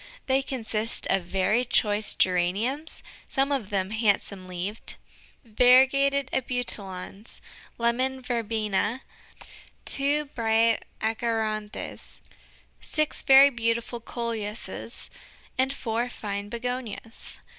They consist of very choice Geraniums some of them handsome leaved variegated Abutilons, Lemon Verbena, two bright Achyranthes, six very beautiful Coleuses, and four fine Begonias.